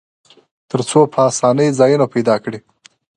تر څو په آسانۍ ځایونه پیدا کړي.